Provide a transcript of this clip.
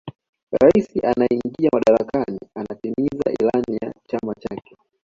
raisi anayeingia madarakani anatimiza ilani ya chama chake